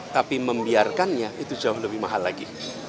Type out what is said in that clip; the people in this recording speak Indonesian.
tapi membiarkannya itu jauh lebih mahal lagi